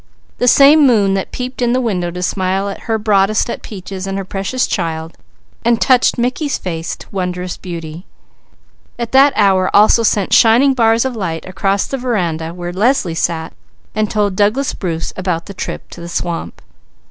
The same moon that peeped in the window to smile her broadest at Peaches and her Precious Child, and touched Mickey's face to wondrous beauty, at that hour also sent shining bars of light across the veranda where Leslie sat and told Douglas Bruce about the trip to the swamp.